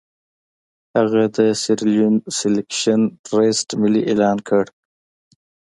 هغه د سیریلیون سیلکشن ټرست ملي اعلان کړ.